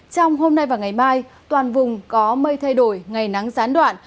trong hôm nay và ngày mai toàn vùng có mây thay đổi ngày nắng gián đoạn